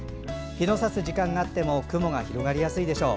日のさす時間があっても雲が広がりやすいでしょう。